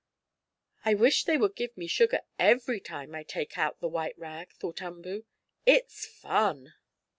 "I wish they would give me sugar every time I take out the white rag," thought Umboo. "It's fun!"